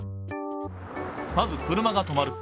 まず車が止まる。